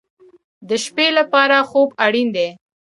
د شپې لپاره خوب اړین دی